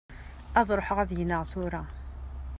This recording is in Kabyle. Ad ruḥeɣ ad gneɣ tura.